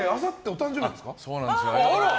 そうなんです。